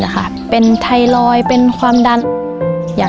เมื่อแม่นางได้ออเดอร์เยอะ